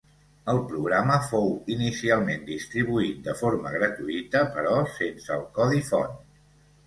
El programa fou inicialment distribuït de forma gratuïta però sense el codi font.